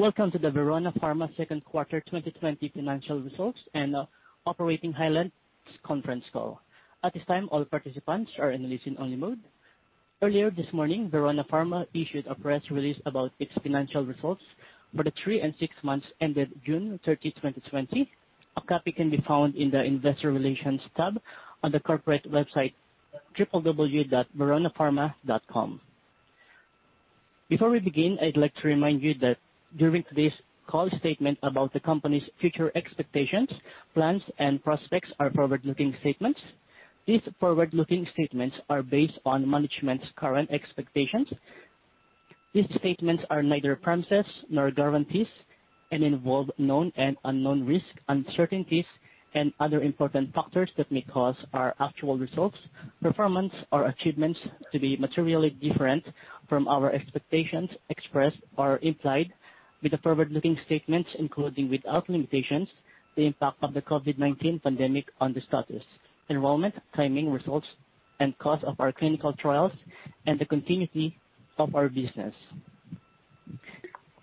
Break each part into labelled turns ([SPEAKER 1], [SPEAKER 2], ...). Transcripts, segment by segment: [SPEAKER 1] Welcome to the Verona Pharma second quarter 2020 financial results and operating highlights conference call. At this time, all participants are in listen only mode. Earlier this morning, Verona Pharma issued a press release about its financial results for the three and six months ended June 30, 2020. A copy can be found in the investor relations tab on the corporate website, www.veronapharma.com. Before we begin, I'd like to remind you that during today's call, statements about the company's future expectations, plans, and prospects are forward-looking statements. These forward-looking statements are based on management's current expectations These statements are neither promises nor guarantees and involve known and unknown risks, uncertainties, and other important factors that may cause our actual results, performance, or achievements to be materially different from our expectations expressed or implied with the forward-looking statements, including, without limitations, the impact of the COVID-19 pandemic on the status, enrollment, timing, results, and cost of our clinical trials and the continuity of our business.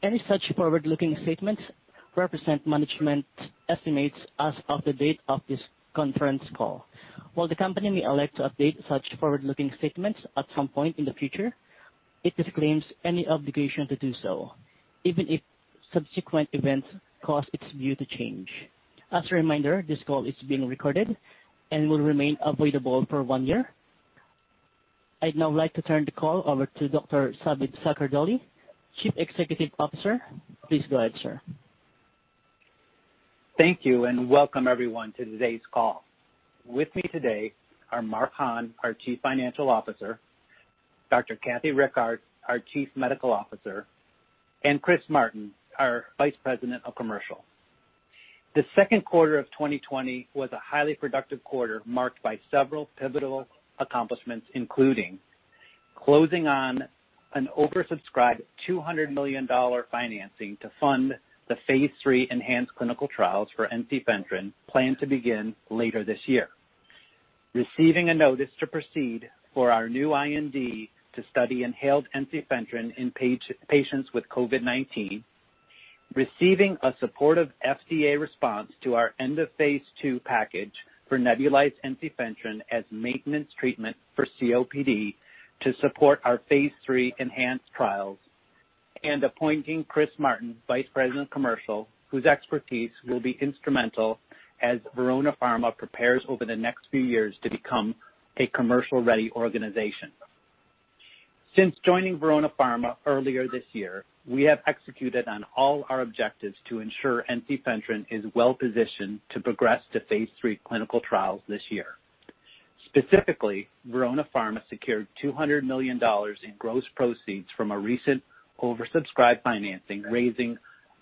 [SPEAKER 1] Any such forward-looking statements represent management estimates as of the date of this conference call. While the company may elect to update such forward-looking statements at some point in the future, it disclaims any obligation to do so, even if subsequent events cause its view to change. As a reminder, this call is being recorded and will remain available for one year. I'd now like to turn the call over to Dr. David Zaccardelli, Chief Executive Officer. Please go ahead, sir.
[SPEAKER 2] Thank you, and welcome, everyone, to today's call. With me today are Mark Hahn, our Chief Financial Officer, Dr. Kathy Rickard, our Chief Medical Officer, and Chris Martin, our Vice President of Commercial. The second quarter of 2020 was a highly productive quarter marked by several pivotal accomplishments, including closing on an oversubscribed GBP 200 million financing to fund the Phase III ENHANCE clinical trials for ensifentrine planned to begin later this year. Receiving a notice to proceed for our new IND to study inhaled ensifentrine in patients with COVID-19. Receiving a supportive FDA response to our end of Phase II package for nebulized ensifentrine as maintenance treatment for COPD to support our Phase III ENHANCE trials. Appointing Chris Martin, Vice President of Commercial, whose expertise will be instrumental as Verona Pharma prepares over the next few years to become a commercial-ready organization. Since joining Verona Pharma earlier this year, we have executed on all our objectives to ensure ensifentrine is well-positioned to progress to phase III clinical trials this year. Specifically, Verona Pharma secured $200 million in gross proceeds from a recent oversubscribed financing, raising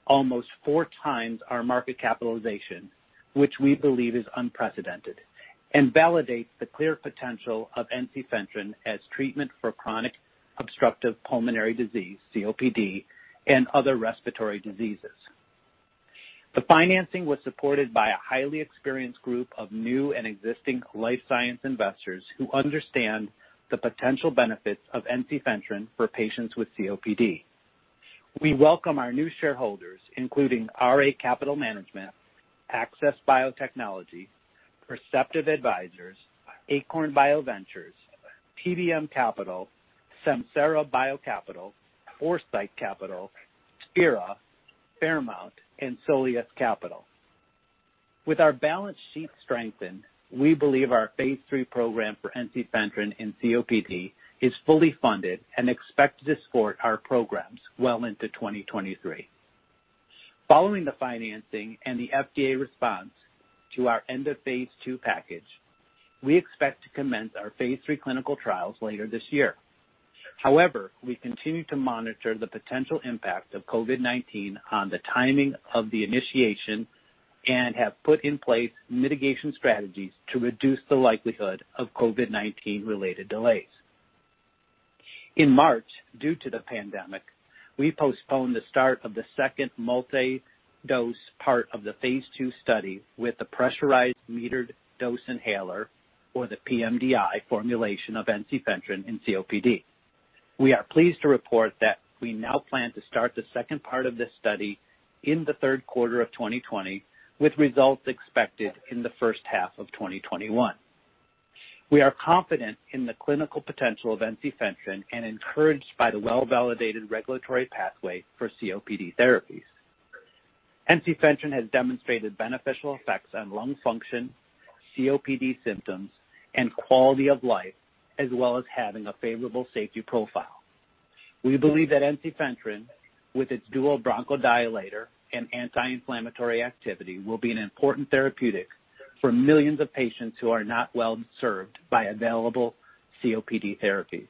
[SPEAKER 2] almost four times our market capitalization, which we believe is unprecedented, and validates the clear potential of ensifentrine as treatment for chronic obstructive pulmonary disease, COPD, and other respiratory diseases. The financing was supported by a highly experienced group of new and existing life science investors who understand the potential benefits of ensifentrine for patients with COPD. We welcome our new shareholders, including RA Capital Management, Access Biotechnology, Perceptive Advisors, Acorn BioVentures, PBM Capital, Samsara BioCapital, Foresite Capital, Sphera, Fairmount, and Soleus Capital. With our balance sheet strengthened, we believe our phase III program for ensifentrine in COPD is fully funded and expected to support our programs well into 2023. Following the financing and the FDA response to our end of phase II package, we expect to commence our phase III clinical trials later this year. We continue to monitor the potential impact of COVID-19 on the timing of the initiation and have put in place mitigation strategies to reduce the likelihood of COVID-19 related delays. In March, due to the pandemic, we postponed the start of the second multi-dose part of the phase II study with the pressurized metered-dose inhaler or the pMDI formulation of ensifentrine in COPD. We are pleased to report that we now plan to start the second part of this study in the third quarter of 2020, with results expected in the first half of 2021. We are confident in the clinical potential of ensifentrine and encouraged by the well-validated regulatory pathway for COPD therapies. ensifentrine has demonstrated beneficial effects on lung function, COPD symptoms, and quality of life, as well as having a favorable safety profile. We believe that ensifentrine, with its dual bronchodilator and anti-inflammatory activity, will be an important therapeutic for millions of patients who are not well-served by available COPD therapies.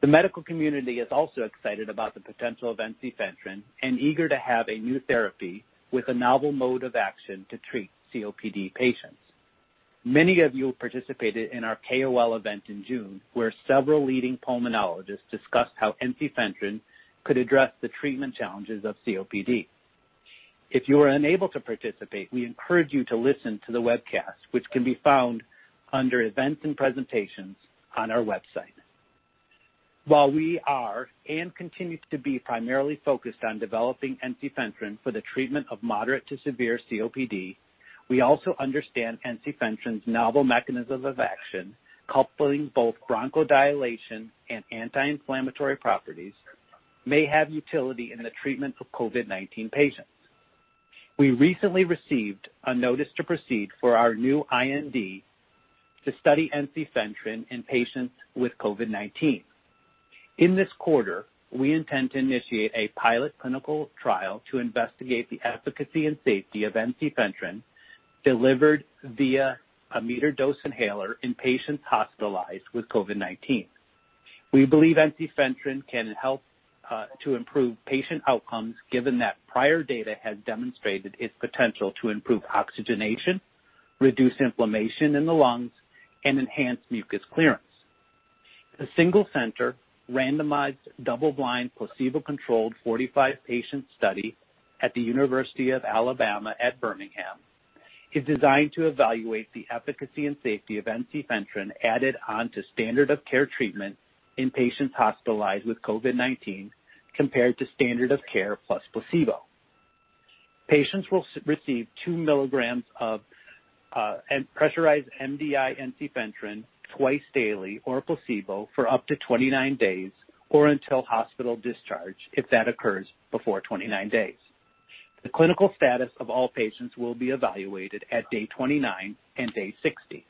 [SPEAKER 2] The medical community is also excited about the potential of ensifentrine and eager to have a new therapy with a novel mode of action to treat COPD patients. Many of you participated in our KOL event in June, where several leading pulmonologists discussed how ensifentrine could address the treatment challenges of COPD. If you are unable to participate, we encourage you to listen to the webcast, which can be found under Events and Presentations on our website. While we are, and continue to be, primarily focused on developing ensifentrine for the treatment of moderate to severe COPD, we also understand ensifentrine's novel mechanism of action, coupling both bronchodilation and anti-inflammatory properties may have utility in the treatment of COVID-19 patients. We recently received a Notice to Proceed for our new IND to study ensifentrine in patients with COVID-19. In this quarter, we intend to initiate a pilot clinical trial to investigate the efficacy and safety of ensifentrine delivered via a metered-dose inhaler in patients hospitalized with COVID-19. We believe ensifentrine can help to improve patient outcomes given that prior data has demonstrated its potential to improve oxygenation, reduce inflammation in the lungs, and enhance mucus clearance. The single center randomized double-blind placebo-controlled 45-patient study at the University of Alabama at Birmingham is designed to evaluate the efficacy and safety of ensifentrine added on to standard of care treatment in patients hospitalized with COVID-19 compared to standard of care plus placebo. Patients will receive 2 mg of pressurized MDI ensifentrine twice daily or a placebo for up to 29 days or until hospital discharge if that occurs before 29 days. The clinical status of all patients will be evaluated at day 29 and day 60.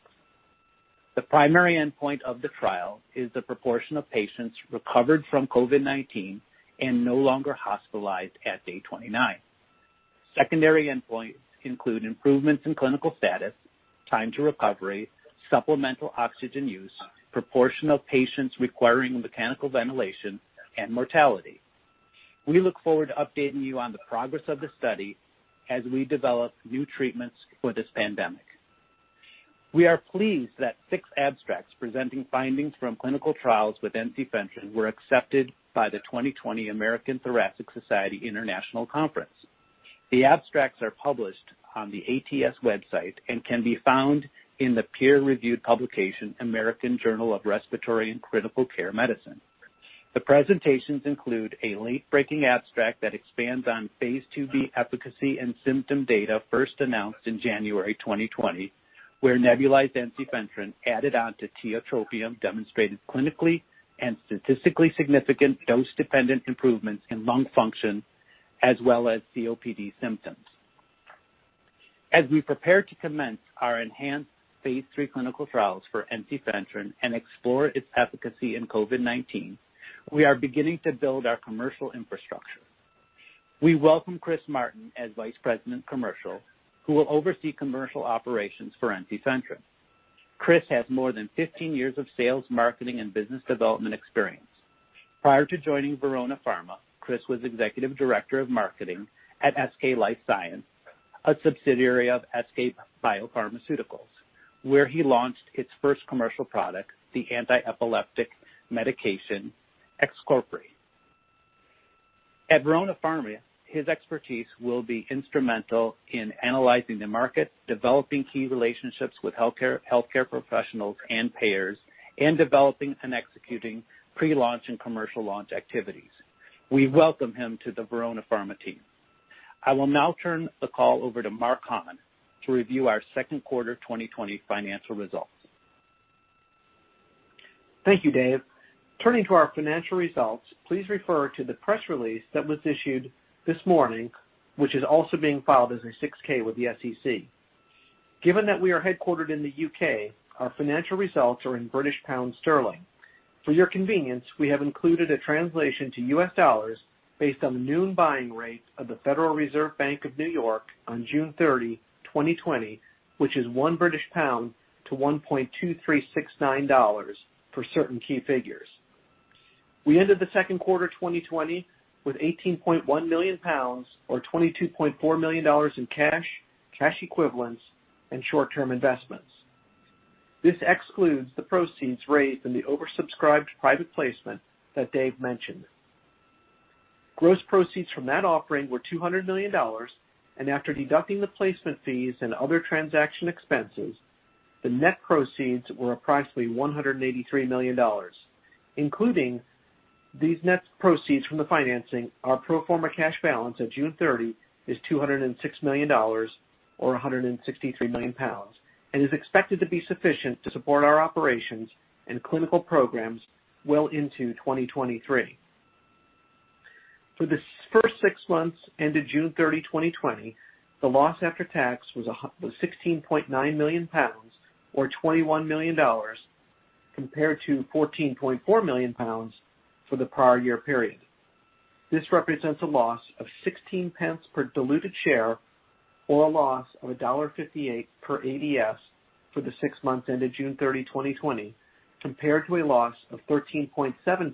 [SPEAKER 2] The primary endpoint of the trial is the proportion of patients recovered from COVID-19 and no longer hospitalized at day 29. Secondary endpoints include improvements in clinical status, time to recovery, supplemental oxygen use, proportion of patients requiring mechanical ventilation, and mortality. We look forward to updating you on the progress of the study as we develop new treatments for this pandemic. We are pleased that six abstracts presenting findings from clinical trials with ensifentrine were accepted by the 2020 American Thoracic Society International Conference. The abstracts are published on the ATS website and can be found in the peer-reviewed publication, "American Journal of respiratory and Critical Care Medicine." The presentations include a late-breaking abstract that expands on phase II-B efficacy and symptom data first announced in January 2020, where nebulized ensifentrine added onto tiotropium demonstrated clinically and statistically significant dose-dependent improvements in lung function as well as COPD symptoms. As we prepare to commence our ENHANCE phase III clinical trials for ensifentrine and explore its efficacy in COVID-19, we are beginning to build our commercial infrastructure. We welcome Chris Martin as Vice President, Commercial, who will oversee commercial operations for ensifentrine. Chris has more than 15 years of sales, marketing, and business development experience. Prior to joining Verona Pharma, Chris was Executive Director of Marketing at SK Life Science, a subsidiary of SK Biopharmaceuticals, where he launched its first commercial product, the anti-epileptic medication, XCOPRI. At Verona Pharma, his expertise will be instrumental in analyzing the market, developing key relationships with healthcare professionals and payers, and developing and executing pre-launch and commercial launch activities. We welcome him to the Verona Pharma team. I will now turn the call over to Mark Hahn to review our second quarter 2020 financial results.
[SPEAKER 3] Thank you, Dave. Turning to our financial results, please refer to the press release that was issued this morning, which is also being filed as a 6-K with the SEC. Given that we are headquartered in the U.K., our financial results are in British Pound sterling. For your convenience, we have included a translation to U.S. dollars based on the noon buying rate of the Federal Reserve Bank of New York on June 30, 2020, which is one British Pound to $1.2369 for certain key figures. We ended the second quarter 2020 with 18.1 million pounds or $22.4 million in cash equivalents, and short-term investments. This excludes the proceeds raised in the oversubscribed private placement that Dave mentioned. Gross proceeds from that offering were $200 million, after deducting the placement fees and other transaction expenses, the net proceeds were approximately $183 million. Including these net proceeds from the financing, our pro forma cash balance at June 30 is $206 million or 163 million pounds and is expected to be sufficient to support our operations and clinical programs well into 2023. For the first six months ended June 30, 2020, the loss after tax was 16.9 million pounds or $21 million compared to 14.4 million pounds for the prior year period. This represents a loss of 0.16 per diluted share or a loss of $1.58 per ADS for the six months ended June 30, 2020, compared to a loss of 0.137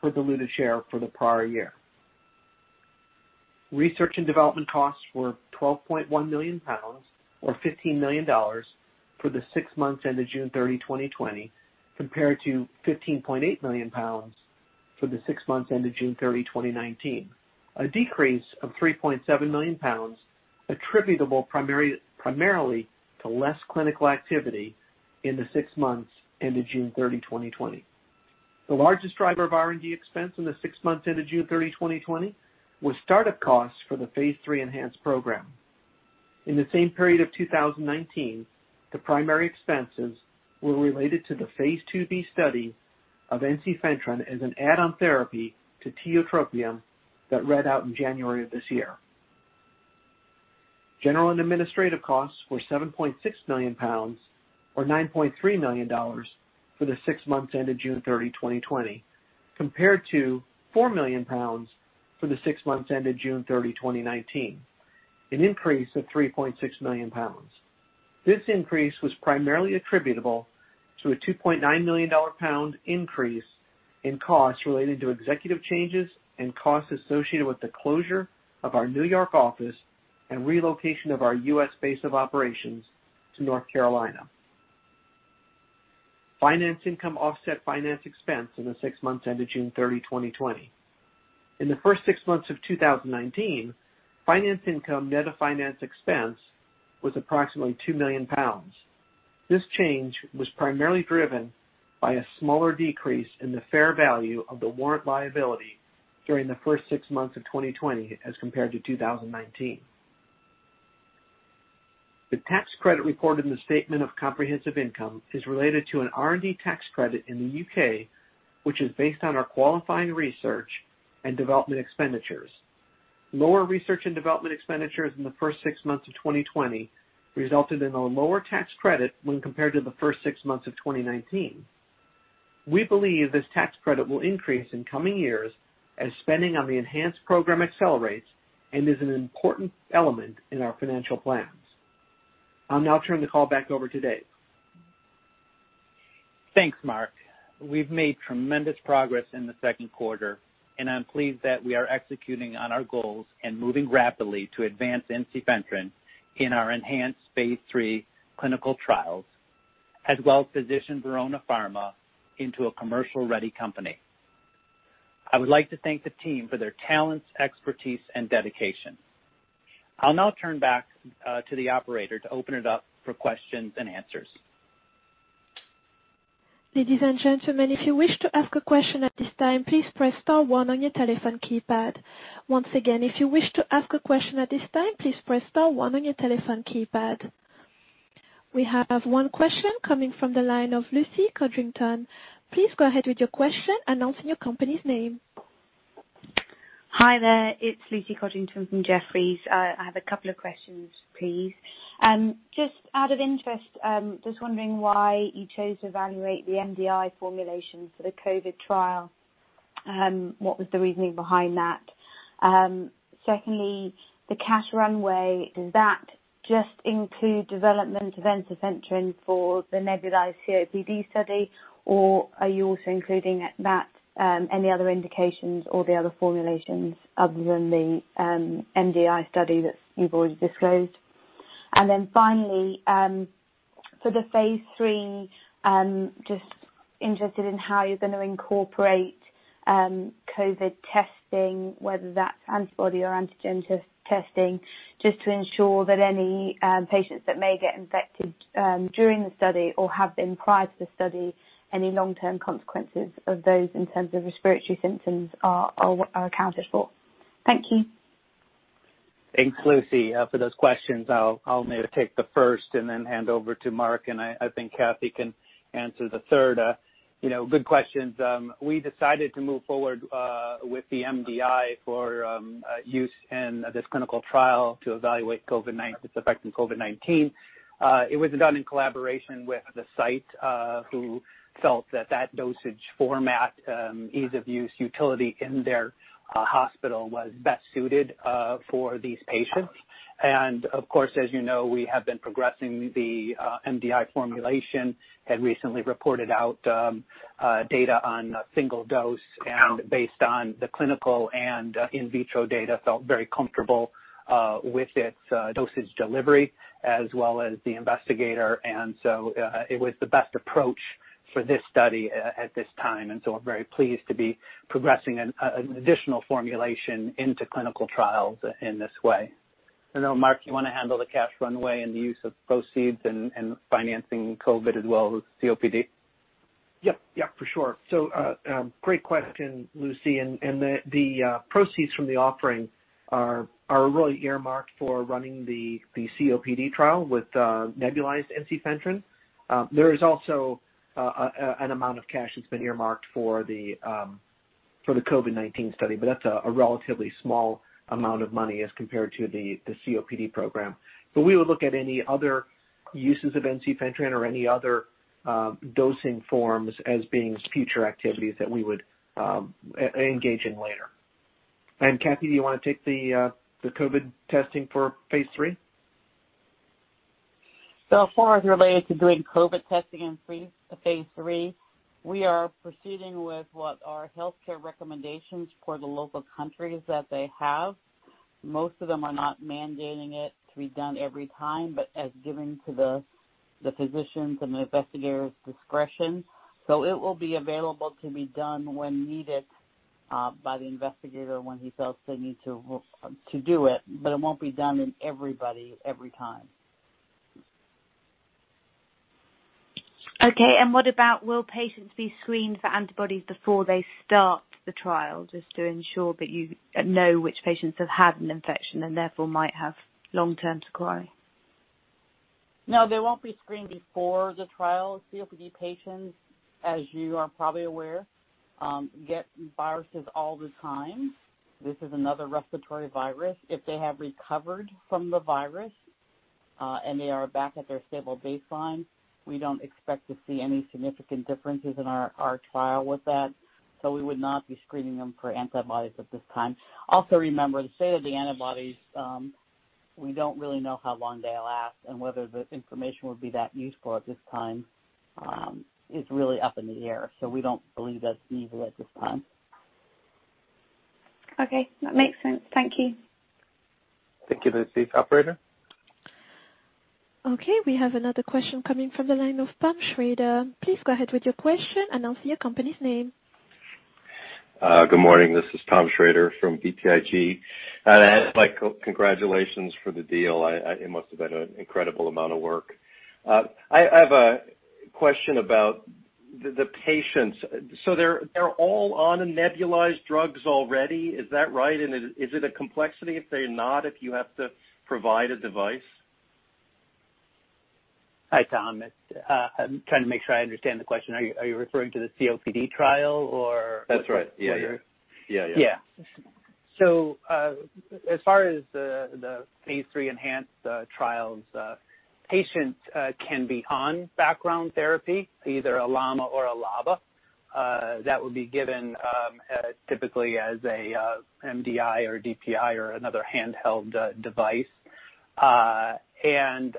[SPEAKER 3] per diluted share for the prior year. Research and development costs were 12.1 million pounds or $15 million for the six months ended June 30, 2020, compared to 15.8 million pounds for the six months ended June 30, 2019. A decrease of 3.7 million pounds attributable primarily to less clinical activity in the six months ended June 30, 2020. The largest driver of R&D expense in the six months ended June 30, 2020 was startup costs for the phase III ENHANCE program. In the same period of 2019, the primary expenses were related to the phase IIB study of ensifentrine as an add-on therapy to tiotropium that read out in January of this year. General and administrative costs were 7.6 million pounds, or $9.3 million, for the six months ended June 30, 2020, compared to 4 million pounds for the six months ended June 30, 2019, an increase of 3.6 million pounds. This increase was primarily attributable to a 2.9 million pound increase in costs related to executive changes and costs associated with the closure of our New York office and relocation of our U.S. base of operations to North Carolina. Finance income offset finance expense in the six months ended June 30, 2020. In the first six months of 2019, finance income net of finance expense was approximately 2 million pounds. This change was primarily driven by a smaller decrease in the fair value of the warrant liability during the first six months of 2020 as compared to 2019. The tax credit reported in the statement of comprehensive income is related to an R&D tax credit in the U.K., which is based on our qualifying research and development expenditures. Lower R&D expenditures in the first six months of 2020 resulted in a lower tax credit when compared to the first six months of 2019. We believe this tax credit will increase in coming years as spending on the ENHANCE program accelerates and is an important element in our financial plans. I'll now turn the call back over to Dave.
[SPEAKER 2] Thanks, Mark. We've made tremendous progress in the second quarter, and I'm pleased that we are executing on our goals and moving rapidly to advance ensifentrine in our ENHANCE phase III clinical trials, as well as position Verona Pharma into a commercial-ready company. I would like to thank the team for their talents, expertise, and dedication. I'll now turn back to the operator to open it up for questions and answers.
[SPEAKER 1] We have one question coming from the line of Lucy Codrington. Please go ahead with your question, announcing your company's name.
[SPEAKER 4] Hi there. It's Lucy Codrington from Jefferies. I have a couple of questions, please. Just out of interest, just wondering why you chose to evaluate the MDI formulation for the COVID trial. What was the reasoning behind that? Secondly, the cash runway, does that just include development of ensifentrine for the nebulized COPD study, or are you also including any other indications or the other formulations other than the MDI study that you've always disclosed? Finally, for the phase III, just interested in how you're going to incorporate COVID testing, whether that's antibody or antigen testing, just to ensure that any patients that may get infected during the study or have been prior to the study, any long-term consequences of those in terms of respiratory symptoms are accounted for. Thank you.
[SPEAKER 2] Thanks, Lucy, for those questions. I'll maybe take the first and then hand over to Mark. I think Kathy can answer the third. Good questions. We decided to move forward with the MDI for use in this clinical trial to evaluate its effect in COVID-19. It was done in collaboration with the site, who felt that that dosage format, ease of use utility in their hospital was best suited for these patients. Of course, as you know, we have been progressing the MDI formulation, had recently reported out data on a single dose and based on the clinical and in vitro data, felt very comfortable with its dosage delivery as well as the investigator. It was the best approach for this study at this time. We're very pleased to be progressing an additional formulation into clinical trials in this way. I don't know, Mark, you want to handle the cash runway and the use of proceeds and financing COVID as well as COPD?
[SPEAKER 3] Yeah. For sure. Great question, Lucy. The proceeds from the offering are really earmarked for running the COPD trial with nebulized ensifentrine. There is also an amount of cash that's been earmarked for the COVID-19 study, but that's a relatively small amount of money as compared to the COPD program. We would look at any other uses of ensifentrine or any other dosing forms as being future activities that we would engage in later. Kathy, do you want to take the COVID testing for phase III?
[SPEAKER 5] As far as related to doing COVID testing in phase III, we are proceeding with what our healthcare recommendations for the local countries that they have. Most of them are not mandating it to be done every time, but as given to the physicians and the investigator's discretion. It will be available to be done when needed by the investigator when he feels they need to do it, but it won't be done in everybody every time.
[SPEAKER 4] Okay. What about will patients be screened for antibodies before they start the trial, just to ensure that you know which patients have had an infection and therefore might have long-term sequelae?
[SPEAKER 5] No, they won't be screened before the trial. COPD patients, as you are probably aware, get viruses all the time. This is another respiratory virus. If they have recovered from the virus, and they are back at their stable baseline, we don't expect to see any significant differences in our trial with that. We would not be screening them for antibodies at this time. Remember, the state of the antibodies, we don't really know how long they'll last and whether the information would be that useful at this time. It's really up in the air. We don't believe that's feasible at this time.
[SPEAKER 4] Okay. That makes sense. Thank you.
[SPEAKER 2] Thank you. Lucy. Operator?
[SPEAKER 1] Okay. We have another question coming from the line of Thomas Shrader. Please go ahead with your question, announce your company's name.
[SPEAKER 6] Good morning. This is Thomas Shrader from BTIG. I'd like to congratulations for the deal. It must have been an incredible amount of work. I have a question about the patients. They're all on nebulized drugs already. Is that right? And is it a complexity if they're not, if you have to provide a device?
[SPEAKER 2] Hi, Tom. I'm trying to make sure I understand the question. Are you referring to the COPD trial or-
[SPEAKER 6] That's right. Yeah.
[SPEAKER 2] As far as the Phase III ENHANCE trials, patients can be on background therapy, either a LAMA or a LABA. That would be given typically as a MDI or DPI or another handheld device.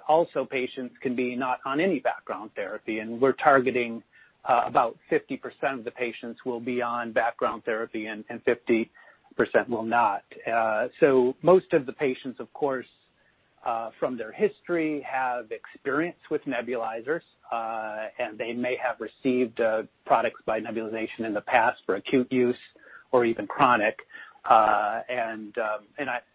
[SPEAKER 2] Also patients can be not on any background therapy, and we're targeting about 50% of the patients will be on background therapy and 50% will not. Most of the patients, of course, from their history, have experience with nebulizers. They may have received products by nebulization in the past for acute use or even chronic. I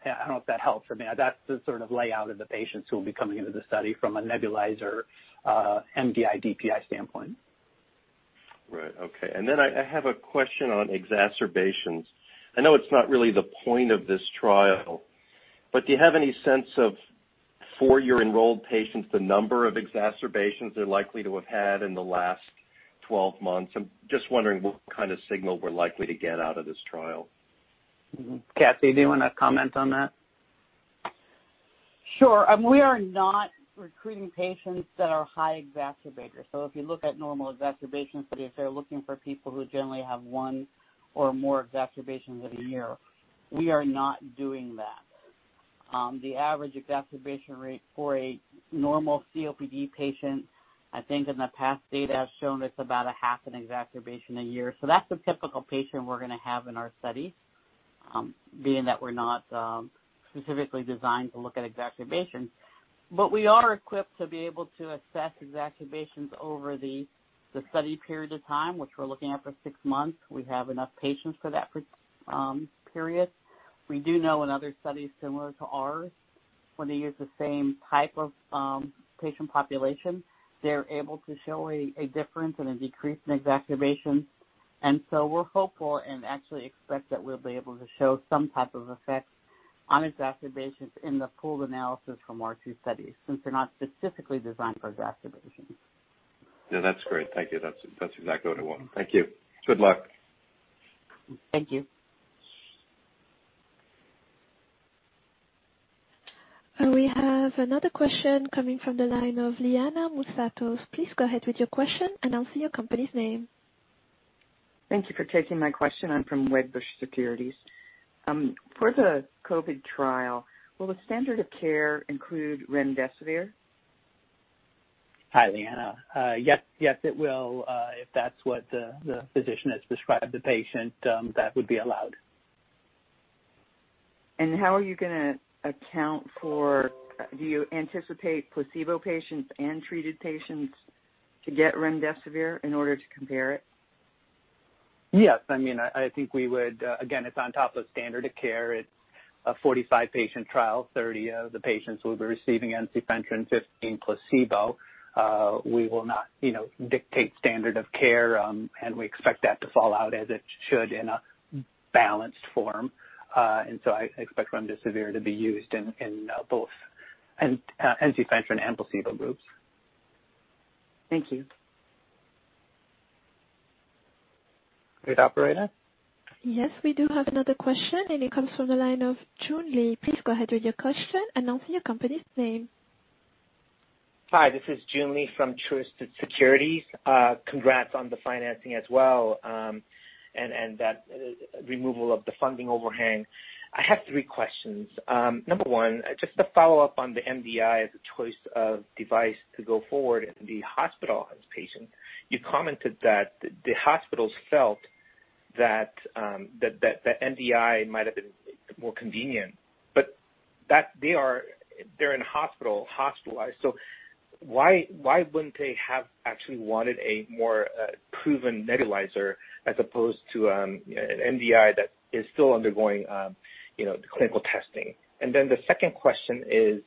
[SPEAKER 2] don't know if that helps. That's the sort of layout of the patients who will be coming into the study from a nebulizer MDI, DPI standpoint.
[SPEAKER 6] Right. Okay. I have a question on exacerbations. I know it's not really the point of this trial, but do you have any sense of, for your enrolled patients, the number of exacerbations they're likely to have had in the last 12 months? I'm just wondering what kind of signal we're likely to get out of this trial.
[SPEAKER 2] Kathy, do you want to comment on that?
[SPEAKER 5] Sure. We are not recruiting patients that are high exacerbators. If you look at normal exacerbations, they're looking for people who generally have one or more exacerbations a year. We are not doing that. The average exacerbation rate for a normal COPD patient, I think in the past data has shown it's about a half an exacerbation a year. That's the typical patient we're going to have in our study, being that we're not specifically designed to look at exacerbations. We are equipped to be able to assess exacerbations over the study period of time, which we're looking at for six months. We have enough patients for that period. We do know in other studies similar to ours, when they use the same type of patient population, they're able to show a difference and a decrease in exacerbations. We're hopeful and actually expect that we'll be able to show some type of effect on exacerbations in the pooled analysis from our two studies, since they're not specifically designed for exacerbations.
[SPEAKER 6] No, that's great. Thank you. That's exactly what I want. Thank you. Good luck.
[SPEAKER 5] Thank you.
[SPEAKER 1] We have another question coming from the line of Liana Moussatos. Please go ahead with your question, announce your company's name.
[SPEAKER 7] Thank you for taking my question. I'm from Wedbush Securities. For the COVID trial, will the standard of care include remdesivir?
[SPEAKER 2] Hi, Liana. Yes, it will. If that's what the physician has prescribed the patient, that would be allowed.
[SPEAKER 7] Do you anticipate placebo patients and treated patients to get remdesivir in order to compare it?
[SPEAKER 2] Yes. I think we would. Again, it's on top of standard of care. It's a 45-patient trial. 30 of the patients will be receiving ensifentrine, 15 placebo. We will not dictate standard of care, and we expect that to fall out as it should in a balanced form. I expect remdesivir to be used in both ensifentrine and placebo groups.
[SPEAKER 7] Thank you.
[SPEAKER 2] Okay. Operator?
[SPEAKER 1] Yes. We do have another question, and it comes from the line of Joon Lee. Please go ahead with your question, announce your company's name.
[SPEAKER 8] Hi, this is Joon Lee from Truist Securities. Congrats on the financing as well, and that removal of the funding overhang. I have three questions. Number one, just to follow up on the MDI as a choice of device to go forward in the hospitalized patients. You commented that the hospitals felt that the MDI might have been more convenient. That they're hospitalized. Why wouldn't they have actually wanted a more proven nebulizer as opposed to an MDI that is still undergoing clinical testing? The second question is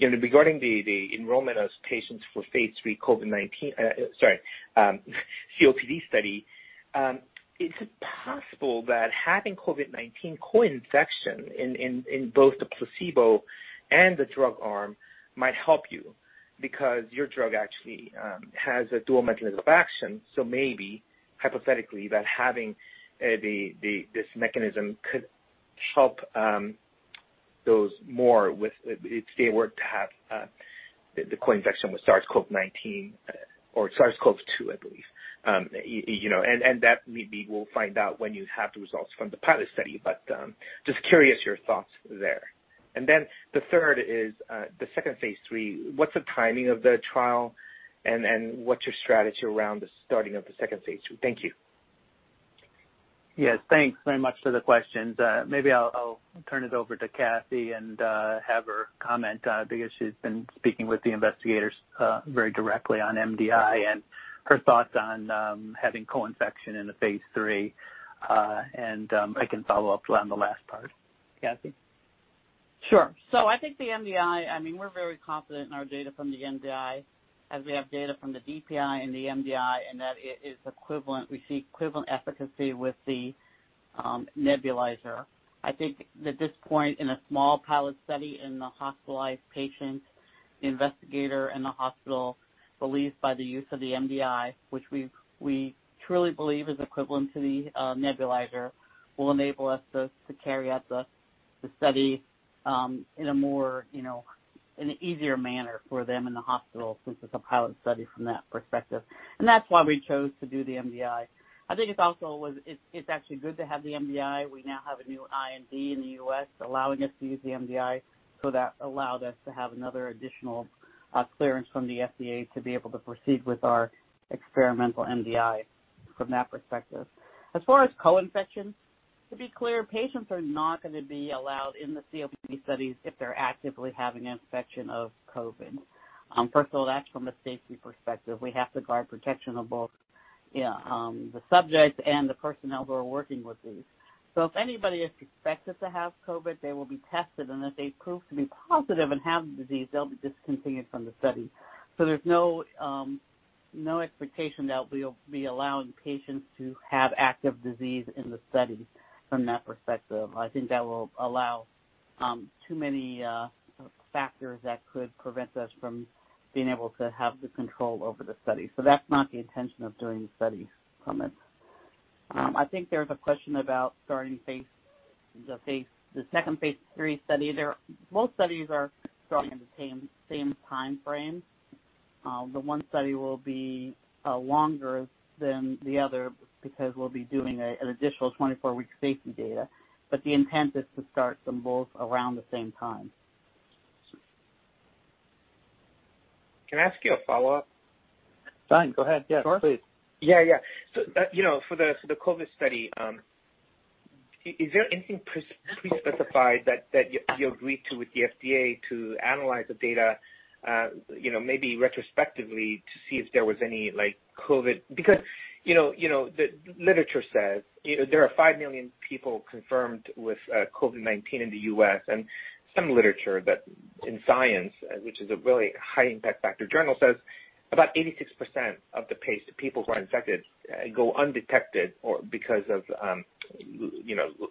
[SPEAKER 8] regarding the enrollment of patients for phase III COVID-19, sorry, COPD study. Is it possible that having COVID-19 coinfection in both the placebo and the drug arm might help you because your drug actually has a dual mechanism of action, so maybe hypothetically, that having this mechanism could help those more if they were to have the coinfection with SARS-CoV-2 or SARS-CoV-2, I believe. That maybe we'll find out when you have the results from the pilot study, but just curious your thoughts there. The third is the second phase III. What's the timing of the trial and what's your strategy around the starting of the second phase III? Thank you.
[SPEAKER 2] Yes. Thanks very much for the questions. Maybe I'll turn it over to Kathy and have her comment because she's been speaking with the investigators very directly on MDI and her thoughts on having coinfection in the phase III. I can follow up on the last part. Kathy?
[SPEAKER 5] I think the MDI, we're very confident in our data from the MDI as we have data from the DPI and the MDI, and that it is equivalent. We see equivalent efficacy with the nebulizer. I think that at this point, in a small pilot study in the hospitalized patients, the investigator and the hospital believe by the use of the MDI, which we truly believe is equivalent to the nebulizer, will enable us to carry out the study in an easier manner for them in the hospital, since it's a pilot study from that perspective. That's why we chose to do the MDI. I think it's actually good to have the MDI. We now have a new IND in the U.S. allowing us to use the MDI. That allowed us to have another additional clearance from the FDA to be able to proceed with our experimental MDI from that perspective. As far as coinfection, to be clear, patients are not going to be allowed in the COPD studies if they're actively having infection of COVID-19. First of all, that's from a safety perspective. We have to guard protection of both the subjects and the personnel who are working with these. If anybody is suspected to have COVID-19, they will be tested, and if they prove to be positive and have the disease, they'll be discontinued from the study. There's no expectation that we'll be allowing patients to have active disease in the study from that perspective. I think that will allow too many factors that could prevent us from being able to have the control over the study. That's not the intention of doing the study from it. I think there's a question about starting the second phase III study. Both studies are starting in the same timeframe. The one study will be longer than the other because we'll be doing an additional 24-week safety data. The intent is to start them both around the same time.
[SPEAKER 8] Can I ask you a follow-up?
[SPEAKER 2] Fine. Go ahead. Sure. Yes, please.
[SPEAKER 8] Yeah. For the COVID-19 study, is there anything pre-specified that you agreed to with the FDA to analyze the data maybe retrospectively to see if there was any COVID-19? Because the literature says there are 5 million people confirmed with COVID-19 in the U.S., and some literature that in science, which is a really high impact factor journal, says about 86% of the people who are infected go undetected because of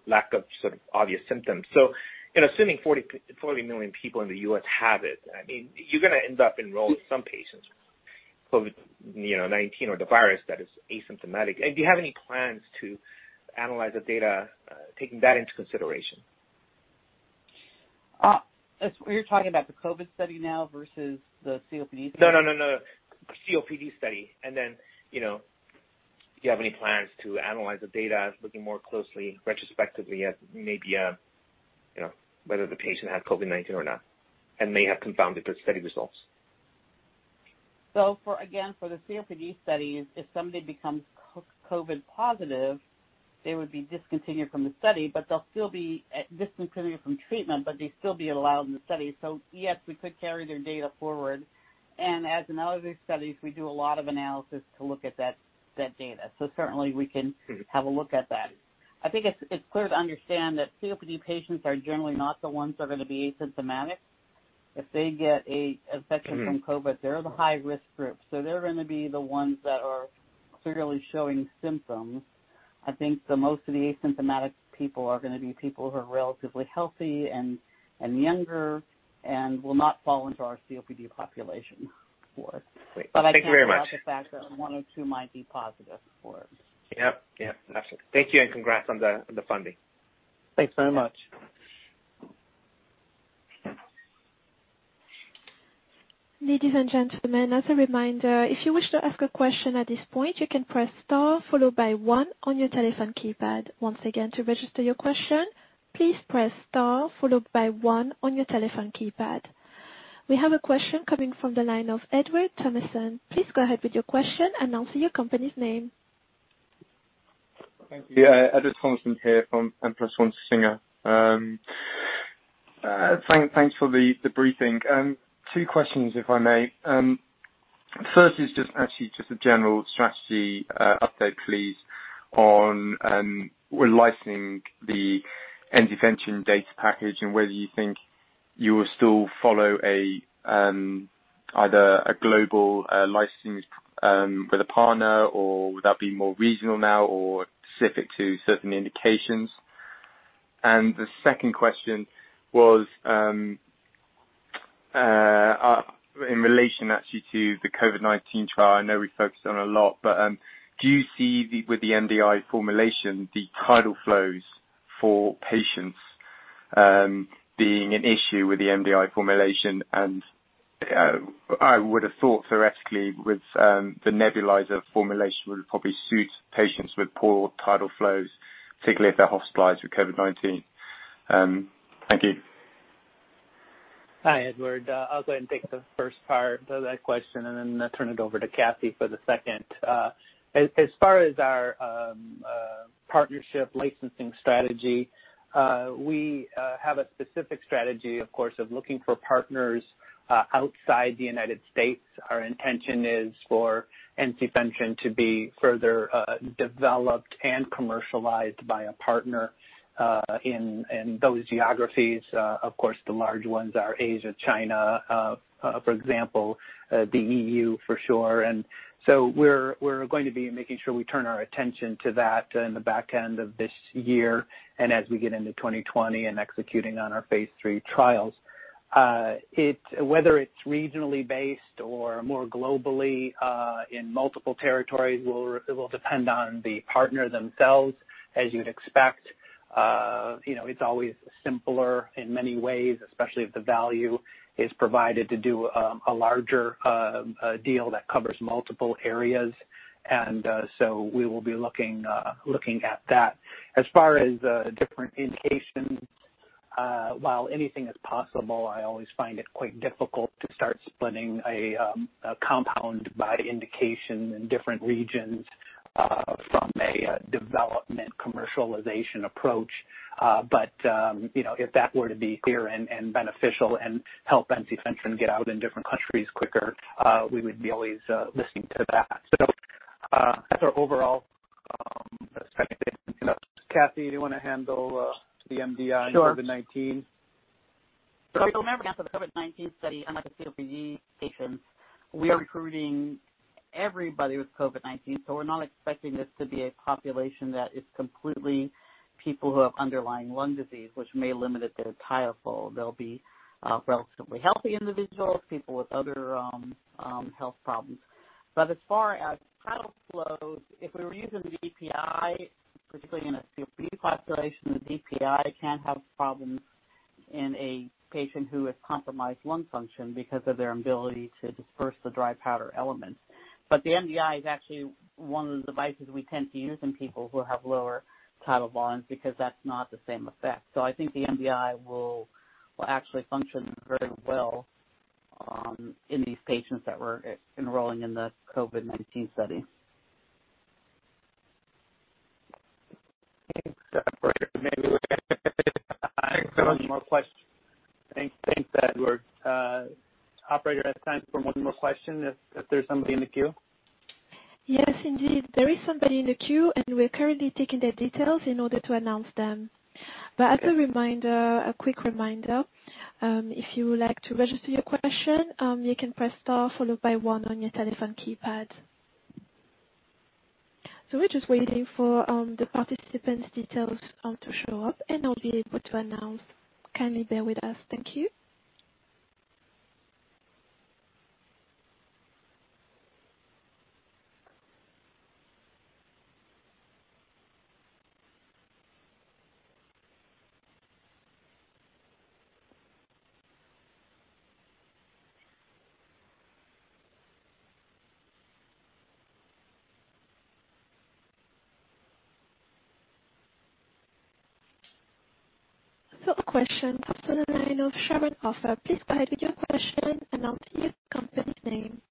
[SPEAKER 8] lack of obvious symptoms. Assuming 40 million people in the U.S. have it, you're going to end up enrolling some patients, COVID-19 or the virus that is asymptomatic. Do you have any plans to analyze the data, taking that into consideration?
[SPEAKER 5] You're talking about the COVID study now versus the COPD study?
[SPEAKER 8] No. COPD study, do you have any plans to analyze the data, looking more closely retrospectively at maybe whether the patient had COVID-19 or not and may have confounded their study results?
[SPEAKER 5] For, again, for the COPD studies, if somebody becomes COVID positive, they would be discontinued from the study, discontinued from treatment, but they'd still be allowed in the study. Yes, we could carry their data forward. As in all of these studies, we do a lot of analysis to look at that data. Certainly we can have a look at that. I think it's clear to understand that COPD patients are generally not the ones that are going to be asymptomatic. If they get a infection from COVID, they're the high-risk group, so they're going to be the ones that are clearly showing symptoms. I think the most of the asymptomatic people are going to be people who are relatively healthy and younger and will not fall into our COPD population for it.
[SPEAKER 8] Great. Thank you very much.
[SPEAKER 5] I can't rule out the fact that one or two might be positive for it.
[SPEAKER 8] Yep. Got you. Thank you and congrats on the funding.
[SPEAKER 2] Thanks very much.
[SPEAKER 1] Ladies and gentlemen, as a reminder, if you wish to ask a question at this point, you can press star followed by one on your telephone keypad. Once again, to register your question, please press star followed by one on your telephone keypad. We have a question coming from the line of Edward Thomason. Please go ahead with your question, announce your company's name.
[SPEAKER 9] Thank you. Edward Thomason here from N+1 Singer. Thanks for the briefing. Two questions, if I may. First is just actually just a general strategy update, please, on when licensing the ensifentrine data package and whether you think you will still follow either a global licensing with a partner or would that be more regional now or specific to certain indications. The second question was, in relation actually to the COVID-19 trial. I know we focused on it a lot, but do you see with the MDI formulation, the tidal flows for patients being an issue with the MDI formulation? I would have thought theoretically with the nebulizer formulation would probably suit patients with poor tidal flows, particularly if they're hospitalized with COVID-19. Thank you.
[SPEAKER 2] Hi, Edward. I'll go ahead and take the first part of that question and then turn it over to Kathy for the second. As far as our partnership licensing strategy, we have a specific strategy, of course, of looking for partners outside the United States. Our intention is for ensifentrine to be further developed and commercialized by a partner in those geographies. Of course, the large ones are Asia, China, for example, the EU for sure. We're going to be making sure we turn our attention to that in the back end of this year and as we get into 2020 and executing on our phase III trials. Whether it's regionally based or more globally in multiple territories will depend on the partner themselves, as you'd expect. It's always simpler in many ways, especially if the value is provided to do a larger deal that covers multiple areas. We will be looking at that. As far as different indications, while anything is possible, I always find it quite difficult to start splitting a compound by indication in different regions from a development commercialization approach. If that were to be clear and beneficial and help ensifentrine get out in different countries quicker, we would be always listening to that. That's our overall strategy. Kathy, do you want to handle the MDI and COVID-19?
[SPEAKER 5] Sure. Remember, for the COVID-19 study, unlike the COPD patients, we are recruiting everybody with COVID-19. We're not expecting this to be a population that is completely people who have underlying lung disease, which may limit their tidal flow. They'll be relatively healthy individuals, people with other health problems. As far as tidal flows, if we were using the DPI, particularly in a COPD population, the DPI can have problems in a patient who has compromised lung function because of their ability to disperse the dry powder elements. The MDI is actually one of the devices we tend to use in people who have lower tidal volumes because that's not the same effect. I think the MDI will actually function very well in these patients that we're enrolling in the COVID-19 study.
[SPEAKER 2] Thanks. Operator, maybe we have time for one more question. Thanks, Edward. Operator, I have time for one more question if there is somebody in the queue.
[SPEAKER 1] Yes, indeed. There is somebody in the queue, and we're currently taking their details in order to announce them. As a quick reminder, if you would like to register your question, you can press star followed by one on your telephone keypad. We're just waiting for the participant's details to show up, and I'll be able to announce. Kindly bear with us. Thank you. A question from the line of Sharon Offer. Please go ahead with your question and announce your company's name.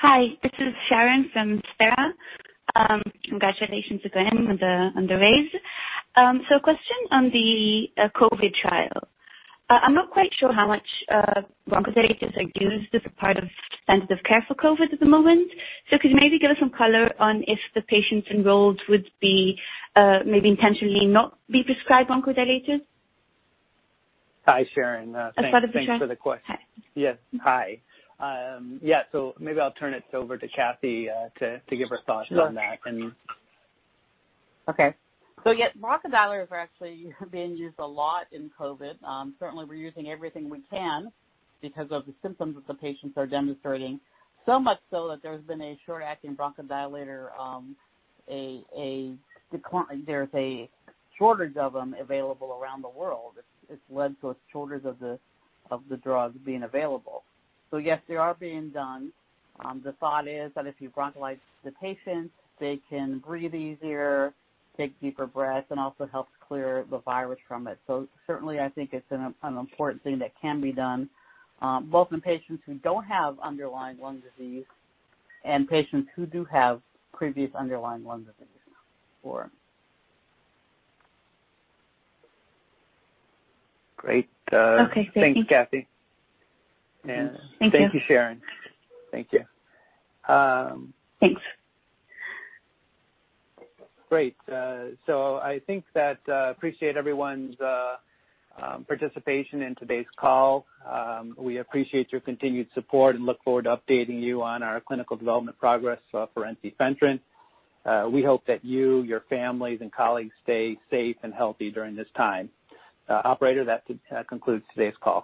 [SPEAKER 10] Hi, this is Sharon from SRA Financial Group. Congratulations again on the raise. Question on the COVID-19 trial. I'm not quite sure how much bronchodilators are used as a part of standard of care for COVID-19 at the moment. Could you maybe give us some color on if the patients enrolled would be maybe intentionally not be prescribed bronchodilators?
[SPEAKER 2] Hi, Sharon.
[SPEAKER 10] I thought I put you on.
[SPEAKER 2] Thanks for the question. Hi. Yes. Hi. Yeah, maybe I'll turn it over to Kathy to give her thoughts on that.
[SPEAKER 5] Yeah, bronchodilators are actually being used a lot in COVID-19. Certainly, we're using everything we can because of the symptoms that the patients are demonstrating, so much so that there's a shortage of them available around the world. It's led to a shortage of the drugs being available. Yes, they are being done. The thought is that if you bronchodilate the patients, they can breathe easier, take deeper breaths, and also helps clear the virus from it. Certainly, I think it's an important thing that can be done, both in patients who don't have underlying lung disease and patients who do have previous underlying lung disease.
[SPEAKER 2] Great. Okay. Thank you. Thanks, Kathy. Thanks. Thank you, Sharon. Thank you.
[SPEAKER 10] Thanks.
[SPEAKER 2] Great. We appreciate everyone's participation in today's call. We appreciate your continued support and look forward to updating you on our clinical development progress for ensifentrine. We hope that you, your families, and colleagues stay safe and healthy during this time. Operator, that concludes today's call.